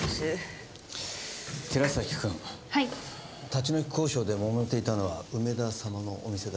立ち退き交渉でもめていたのは梅田様のお店だけか？